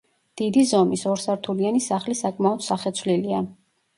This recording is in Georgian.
დიდი ზომის, ორსართულიანი სახლი საკმაოდ სახეცვლილია.